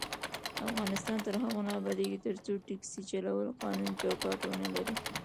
افغانستان تر هغو نه ابادیږي، ترڅو ټکسي چلول قانوني چوکاټ ونه لري.